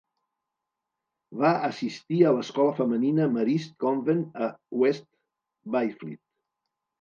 Va assistir a l'escola femenina Marist Convent a West Byfleet.